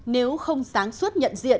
nếu không sáng suốt nhận diện